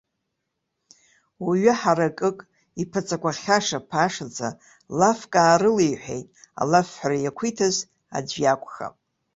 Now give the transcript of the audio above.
Уаҩы ҳаракык, иԥаҵақәа хьаша-ԥашаӡа, лафк аарылеиҳәеит, алафҳәара иақәиҭыз аӡә иакәхап.